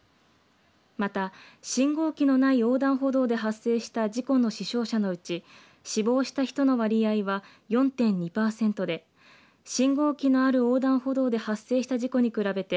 また、信号機のない横断歩道で発生した事故の死傷者のうち死亡した人の割合は４．２パーセントで信号機のある横断歩道で発生した事故に比べて